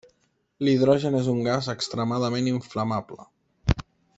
L'hidrogen és un gas extremadament inflamable.